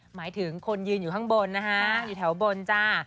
หมายถึงคนยืนอยู่ข้างบนนะคะอยู่แถวบนจ้า